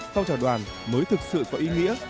phong trào đoàn mới thực sự có ý nghĩa